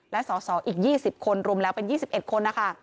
และสอสออีก๒๐คนรวมแล้วเป็น๒๑คนนะคะ